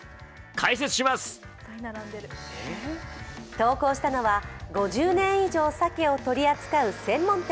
投稿したのは、５０年以上鮭を取り扱う専門店。